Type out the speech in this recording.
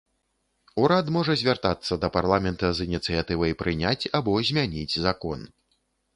Урад можа звяртацца да парламента з ініцыятывай прыняць або змяніць закон.